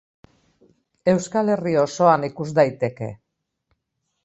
Euskal Herri osoan ikus daiteke.